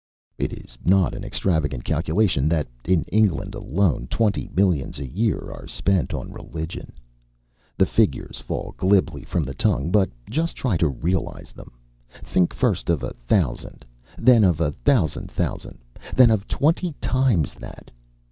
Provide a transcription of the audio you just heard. It is not an extravagant calculation that, in England alone, twenty millions a year are spent on religion. The figures fall glibly from the tongue, but just try to realise them! Think first of a thousand, then of a thousand thousand, then of twenty times that.